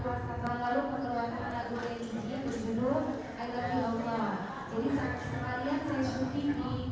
jadi sekalian saya syukur di tanah suci dan di istana